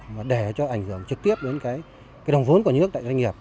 mà để cho ảnh hưởng trực tiếp đến cái đồng vốn của nước tại doanh nghiệp